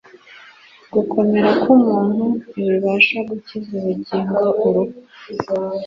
gukomera k'umuntu ntibibasha gukiza ubugingo urupfu;